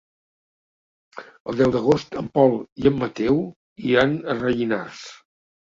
El deu d'agost en Pol i en Mateu iran a Rellinars.